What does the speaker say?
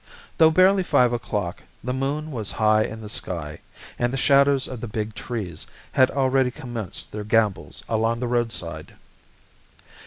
Though barely five o'clock, the moon was high in the sky, and the shadows of the big trees had already commenced their gambols along the roadside.